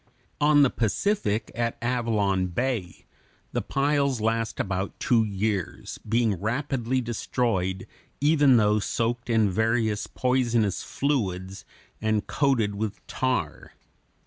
On the Pacific, at Avalon Bay, the piles last about two years, being rapidly destroyed, even though soaked in various poisonous fluids and coated with tar.